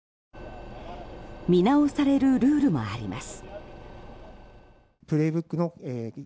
見直されるルールもあります。